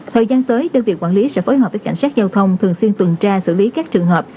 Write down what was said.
thời gian tới đơn vị quản lý sẽ phối hợp với cảnh sát giao thông thường xuyên tuần tra xử lý các trường hợp